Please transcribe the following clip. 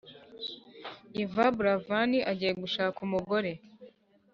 Yvan buravan agiye gushak umugore